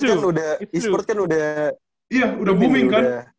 esports kan udah booming kan